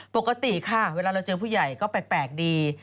ปกติค่ะเวลาเราเจอผู้ใหญ่ก็แปลกดี